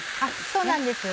そうなんです。